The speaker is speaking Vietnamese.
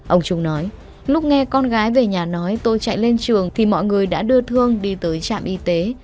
ông trung nói lúc nghe con gái về nhà nói tôi chạy lên trường thì mọi người đã đưa thương đi tới trạm y tế